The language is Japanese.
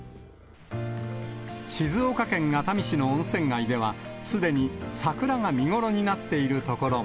静岡県熱海市の温泉街では、すでに桜が見頃になっている所も。